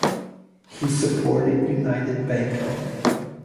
He supported United Bengal.